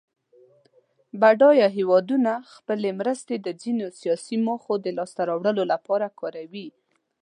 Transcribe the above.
بډایه هېوادونه خپلې مرستې د ځینو سیاسي موخو د لاس ته راوړلو لپاره کاروي.